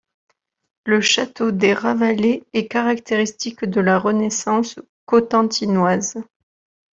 Le château des Ravalet est caractéristique de la Renaissance cotentinoise.